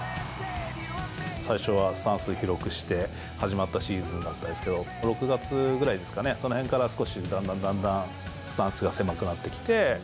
最初はスタンス広くして、始まったシーズンだったんですけど、６月ぐらいですかね、そのへんから少し、だんだんだんだんスタンスが狭くなってきて。